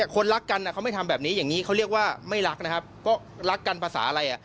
คนรักกันเขาไม่ทำแบบนี้อย่างนี้เขาเรียกว่าไม่รักนะครับก็รักกันภาษาอะไรอ่ะ